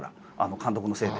監督のせいで。